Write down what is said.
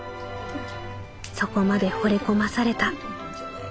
そこまで惚れ込まされた」。